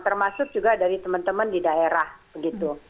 termasuk juga dari teman teman di daerah begitu